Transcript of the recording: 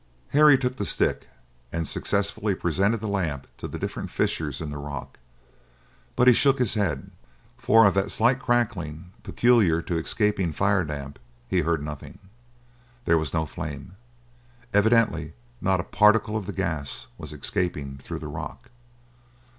Harry took the stick, and successively presented the lamp to the different fissures in the rock; but he shook his head, for of that slight crackling peculiar to escaping fire damp he heard nothing. There was no flame. Evidently not a particle of gas was escaping through the rock.